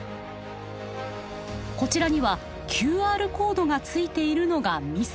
こちらにはＱＲコードがついているのがミソ。